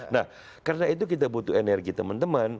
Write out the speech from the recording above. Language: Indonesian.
nah karena itu kita butuh energi teman teman